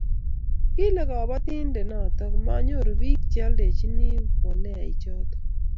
kile kabotindet noto manyoru biik che oldochini mboleaik choto